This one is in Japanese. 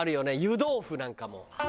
湯豆腐なんかも。